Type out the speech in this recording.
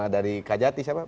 dari kajati siapa